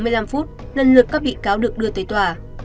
sáu giờ bốn mươi năm phút lần lượt các bị cáo được đưa tới tòa